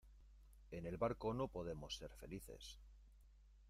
en el barco no podemos ser felices